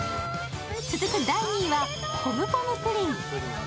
続く第２位はポムポムプリン。